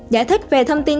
giải thích về thông tin